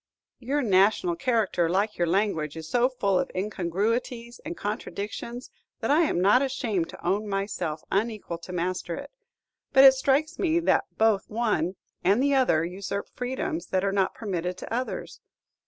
"Your national character, like your language, is so full of incongruities and contradictions that I am not ashamed to own myself unequal to master it; but it strikes me that both one and the other usurp freedoms that are not permitted to others.